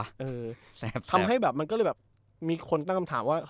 แซ่บแซ่บทำให้มันก็เลยแบบมีคนตั้งคำถามว่า